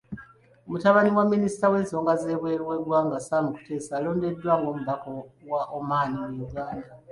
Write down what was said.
Mutabani wa Minisita w'ensonga z'ebweru w'eggwanga, Sam Kuteesa alondeddwa ng'omubaka wa Oman mu Uganda.